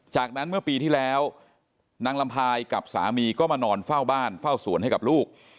จากนั้นเมื่อปีที่แล้วนางลำพายกับสามีก็มานอนเฝ้าบ้านเฝ้าสวนให้กับลูก